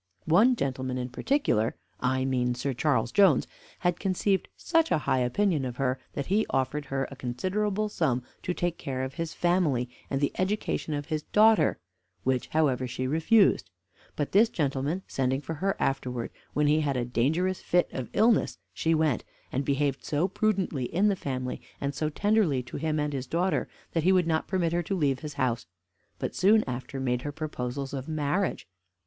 One gentleman in particular, I mean Sir Charles Jones, had conceived such a high opinion of her that he offered her a considerable sum to take care of his family, and the education of his daughter, which, however, she refused; but this gentleman sending for her afterwards, when he had a dangerous fit of illness, she went, and behaved so prudently in the family, and so tenderly to him and his daughter, that he would not permit her to leave his house, but soon after made her proposals of marriage.